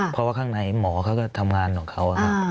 เพราะว่าข้างในหมอเขาก็ทำงานของเขา